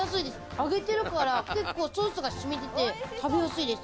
揚げてるから、ソースが染みてて食べやすいです。